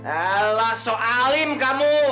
elah sok alim kamu